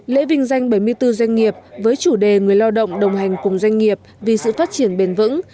lễ vinh danh bảy mươi bốn doanh nghiệp với chủ đề người lao động đồng hành cùng doanh nghiệp vì sự phát triển bền vững